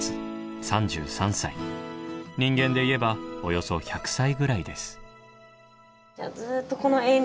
人間で言えばおよそ１００歳ぐらいです。